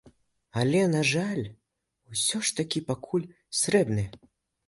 Але, на жаль, усё ж такі пакуль срэбны.